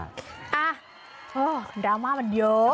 อ้าดราม่ามันเยอะ